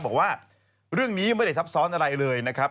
บอกว่าเรื่องนี้ไม่ได้ซับซ้อนอะไรเลยนะครับ